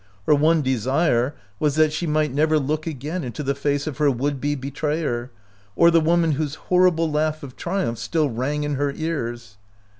Her one desire was that she might never again look into the face of her would be betrayer, or the woman whose horrible laugh of triumph still rang in her ears.